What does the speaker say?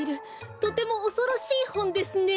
とてもおそろしいほんですね。